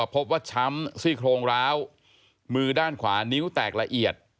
พบว่าช้ำซี่โครงร้าวมือด้านขวานิ้วแตกละเอียด